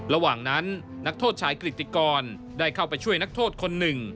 ระหว่างนั้นนักโทษชายกฤติกรได้เข้าไปช่วยนักโทษคนหนึ่ง